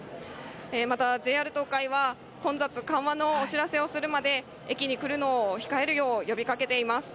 また、ＪＲ東海は、混雑緩和のお知らせをするまで駅に来るのを控えるよう呼びかけています。